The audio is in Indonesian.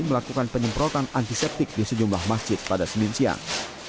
melakukan penyemprotan antiseptik di sejumlah masjid pada senin siang